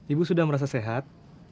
ibu sudah merasa sehat